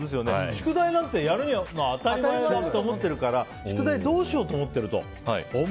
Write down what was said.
宿題なんてやるの当たり前だと思ってるから宿題をどうしようと思っている？